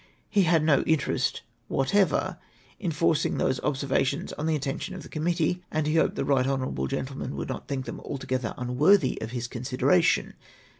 He had no interest whatever in forcing those observations on the attention of the committee, and he hoped the right hon. gentleman would not think them altogether unAvorthy of his consideration.